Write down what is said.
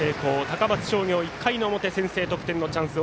高松商業１回の表先制得点のチャンス。